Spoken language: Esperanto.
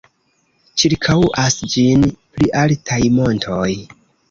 Ĉirkaŭas ĝin pli altaj montoj.